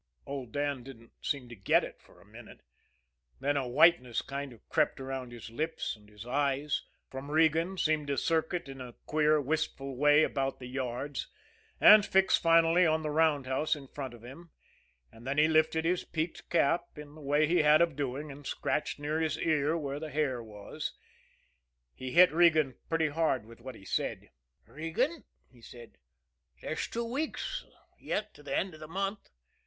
Old Dan didn't seem to get it for a minute; then a whiteness kind of crept around his lips, and his eyes, from Regan, seemed to circuit in a queer, wistful way about the yards, and fix finally on the roundhouse in front of him; and then he lifted his peaked cap, in the way he had of doing, and scratched near his ear where the hair was. He hit Regan pretty hard with what he said. "Regan," he said, "there's two weeks yet to the end of the month.